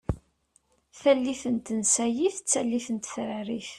Tallit n tensayit d tallit n tetrarit.